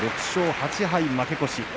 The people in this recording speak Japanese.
６勝８敗、負け越し。